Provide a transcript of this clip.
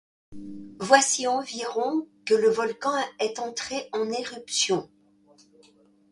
Voici environ que le volcan est entré en éruption.